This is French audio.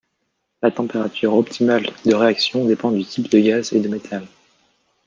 La température optimale de réaction dépend du type de gaz et de métal.